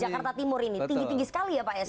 jakarta timur ini tinggi tinggi sekali ya pak s